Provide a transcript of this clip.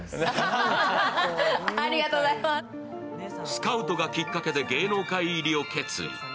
スカウトがきっかけで芸能界入りを決意。